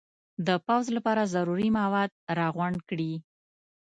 د پوځ لپاره ضروري مواد را غونډ کړي.